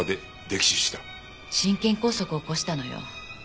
心筋梗塞を起こしたのよ。